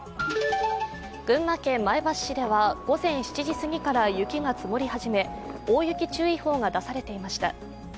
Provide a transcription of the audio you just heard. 群馬県前橋市では午前７時すぎから雪が積もり始め、大雪注意報が出されていました。